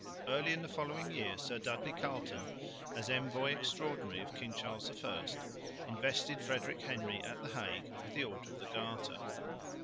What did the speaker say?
Early in the following year Sir Dudley Carleton, as envoy extraordinary of King Charles I, invested Frederick Henry at the Hague with the Order of the Garter.